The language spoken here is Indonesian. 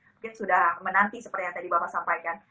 mungkin sudah menanti seperti yang tadi bapak sampaikan